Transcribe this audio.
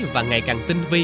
và ngày càng tinh vi